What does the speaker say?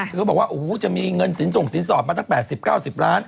คือเขาบอกว่าโอ้โหจะมีเงินสินส่งสินสอดมาตั้ง๘๐๙๐ล้าน